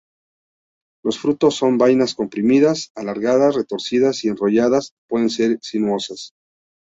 Los frutos son vainas comprimidas, alargadas, retorcidas y enrolladas, pueden ser sinuosas.